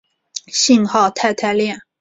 信号肽肽链。